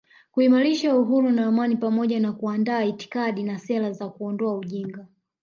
kuimarisha uhuru na amani pamoja na kuandaa itikadi na sera za kuondoa ujinga